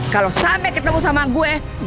kalo sampe ketemu sama gue